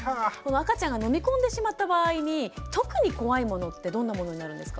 赤ちゃんが飲み込んでしまった場合に特に怖いものってどんなものになるんですか。